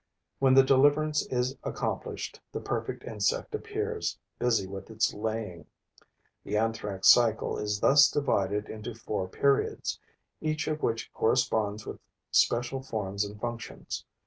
When the deliverance is accomplished, the perfect insect appears, busy with its laying. The Anthrax cycle is thus divided into four periods, each of which corresponds with special forms and functions.